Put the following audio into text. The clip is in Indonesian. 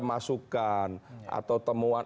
masukan atau temuan